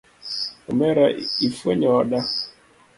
Omera ifwenyo oda.